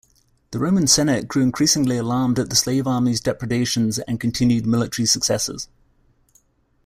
The Roman Senate grew increasingly alarmed at the slave-army's depredations and continued military successes.